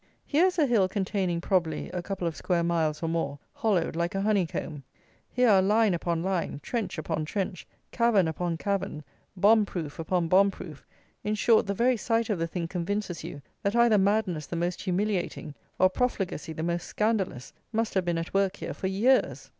Here is a hill containing, probably, a couple of square miles or more, hollowed like a honeycomb. Here are line upon line, trench upon trench, cavern upon cavern, bomb proof upon bomb proof; in short the very sight of the thing convinces you that either madness the most humiliating, or profligacy the most scandalous must have been at work here for years.